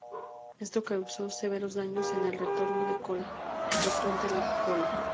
Esto causó severos daños en el rotor de cola.